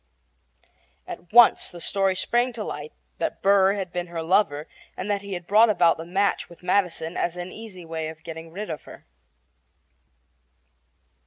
At once the story sprang to light that Burr had been her lover and that he had brought about the match with Madison as an easy way of getting rid of her.